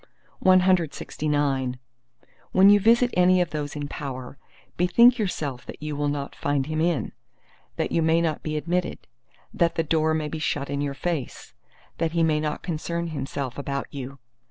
CLXX When you visit any of those in power, bethink yourself that you will not find him in: that you may not be admitted: that the door may be shut in your face: that he may not concern himself about you.